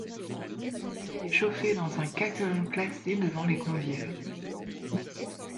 L'huile est chauffée dans un caquelon placé devant les convives.